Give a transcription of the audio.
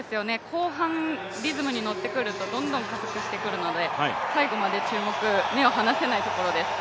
後半、リズムに乗ってくるとどんどん加速してくるので、最後まで注目、目を離せないところです。